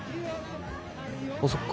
あそっか。